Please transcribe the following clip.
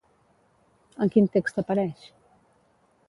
En quin text apareix?